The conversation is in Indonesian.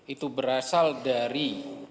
itu berasal dari